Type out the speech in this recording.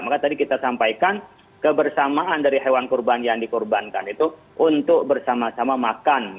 maka tadi kita sampaikan kebersamaan dari hewan kurban yang dikorbankan itu untuk bersama sama makan